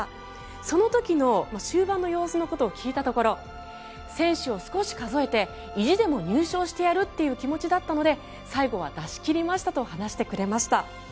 その時の、終盤の様子を聞いたところ、選手を少し数えて意地でも入賞してやるという気持ちだったので最後は出し切りましたと話してくれました。